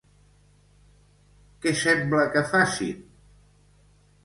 Què sembla que facin?